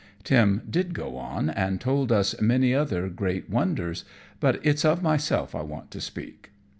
Tim did go on, and told us many other great wonders; but it's of myself I want to speak.